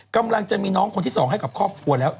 กำลังจะมีน้องคนที่๒ให้กับครอบครัวแล้ว